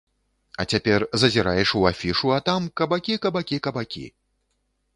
А цяпер зазіраеш у афішу, а там кабакі-кабакі-кабакі.